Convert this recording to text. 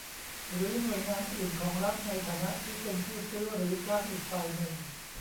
หรือหน่วยงานอื่นของรัฐในฐานะที่เป็นผู้ซื้อหรือจ้างอีกฝ่ายหนึ่ง